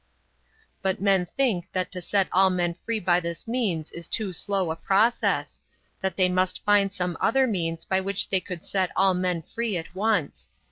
But men think that to set all men free by this means is too slow a process, that they must find some other means by which they could set all men free at once.